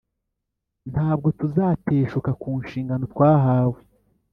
Ntabwo tuzateshuka ku nshingano twahawe